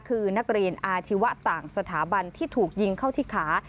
คือนักเรียนอาชีวะต่างสถาบันที่ถูกยิงเข้าที่ขา